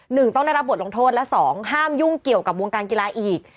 หนึ่งต้องได้รับบทลงโทษและสองห้ามยุ่งเกี่ยวกับวงการกีฬาอีก